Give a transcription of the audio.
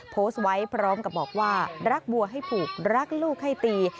โพสต์ไว้พร้อมกับบอกว่ารักบัวให้ผูกรักลูกให้ตี